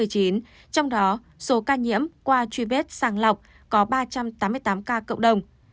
trong đó số ca nhiễm qua truy vết sàng lọc có ba trăm tám mươi tám ca cộng đồng